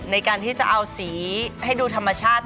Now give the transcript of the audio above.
ในการที่จะเอาสีให้ดูธรรมชาติ